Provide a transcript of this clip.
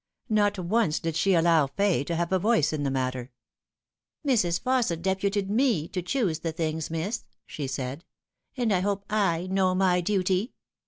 Not once did she allow Fay to have a voice in the matter. " Mrs. Fausset deputed me to choose the things, miss," she said, " and I hope / know my duty."